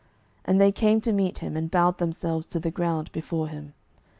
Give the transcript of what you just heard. And they came to meet him, and bowed themselves to the ground before him.